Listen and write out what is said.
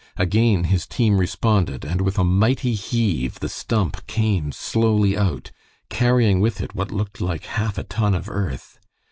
Again his team responded, and with a mighty heave, the stump came slowly out, carrying with it what looked like half a ton of earth.